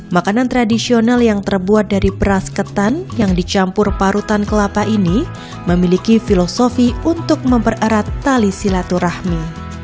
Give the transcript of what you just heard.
makanan tradisional yang terbuat dari beras ketan yang dicampur parutan kelapa ini memiliki filosofi untuk mempererat tali silaturahmi